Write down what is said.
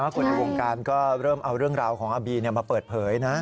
คนในวงการก็เริ่มเอาเรื่องราวของอาบีมาเปิดเผยนะ